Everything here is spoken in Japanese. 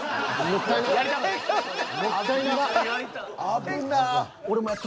危なっ。